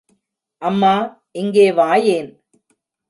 அம்மா, இங்கே வாயேன்!